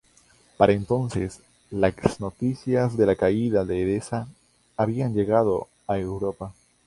Para entonces, las noticias de la caída de Edesa habían llegado a Europa.